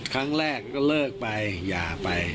ครั้งแรกก็เลิกไปหย่าไป